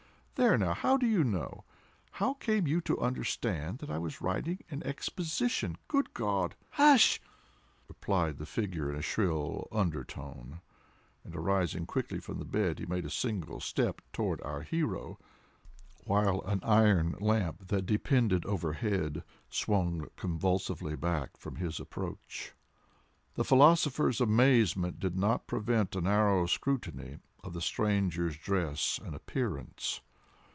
—there now!—how do you know?—how came you to understand that I was writing an Exposition?—good God!" "Hush!" replied the figure, in a shrill undertone; and, arising quickly from the bed, he made a single step toward our hero, while an iron lamp that depended over head swung convulsively back from his approach. The philosopher's amazement did not prevent a narrow scrutiny of the stranger's dress and appearance.